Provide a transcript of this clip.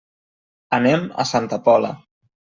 Anem a Santa Pola.